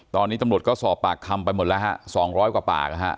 ตอนนี้ตำรวจก็สอบปากคำไปหมดแล้วฮะ๒๐๐กว่าปากนะฮะ